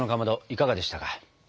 いかがでしたか？